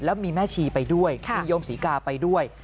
แล้วมีแม่ชีไปด้วยมีโยมศรีกาไปด้วย